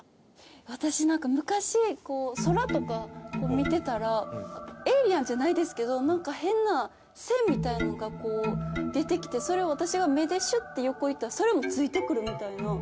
私何か昔空とかを見てたらエイリアンじゃないですけど何か変な線みたいなのがこう出てきてそれを私が目でシュって横行ったらそれもついてくるみたいな。